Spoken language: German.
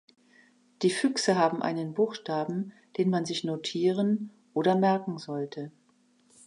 Die Füchse haben einen Buchstaben, den man sich notieren oder merken sollte.